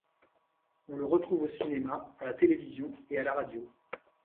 On le retrouve au cinéma, à la télévision et à la radio.